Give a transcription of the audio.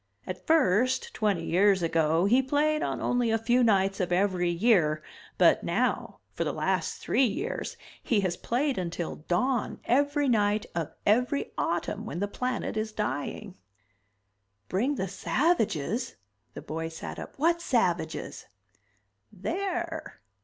At first, twenty years ago, he played on only a few nights of every year, but now, for the last three years he has played until dawn every night of every autumn when the planet is dying." "Bring the savages?" the boy sat up. "What savages?" "There!"